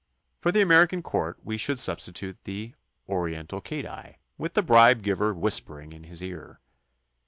For the American court we should substitute the oriental cadi, with the bribe giver whispering in his ear.